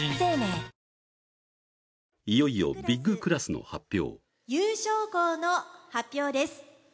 いよいよビッグクラスの発表。